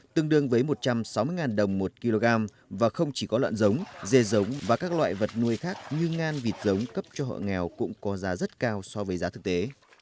tương đương với một trăm sáu mươi đồng một kg và không chỉ có lợn giống dê giống và các loại vật nuôi khác như ngan vịt giống cấp cho họ nghèo cũng có giá rất cao so với giá thực tế